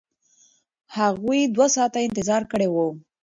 هغوی دوه ساعته انتظار کړی و.